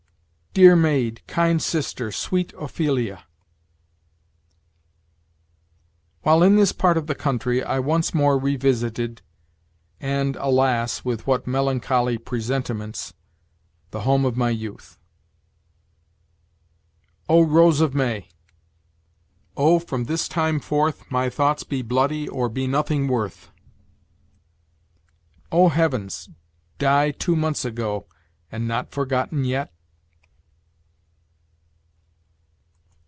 "Dear maid, kind sister, sweet Ophelia!" "While in this part of the country, I once more revisited and, alas, with what melancholy presentiments! the home of my youth." "O rose of May!" "Oh, from this time forth, my thoughts be bloody or be nothing worth!" "O heavens! die two months ago, and not forgotten yet?"